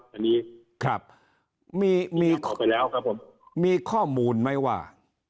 อันนี้ครับมีมีไปแล้วครับผมมีข้อมูลไหมว่า